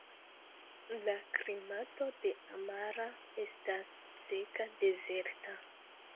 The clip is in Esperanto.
La klimato de Amara estas seka dezerta.